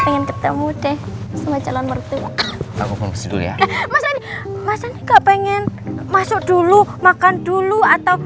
pengen ketemu deh sama calon mertua aku panggil ya masa nggak pengen masuk dulu makan dulu atau